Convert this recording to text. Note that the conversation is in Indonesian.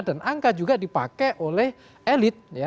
dan angka juga dipakai oleh elit